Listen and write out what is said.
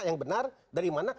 yang benar dari mana